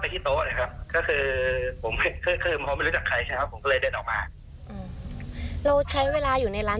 ไม่รู้จักใครเลยไม่เคยเห็นหน้าด้วยเลยสักคน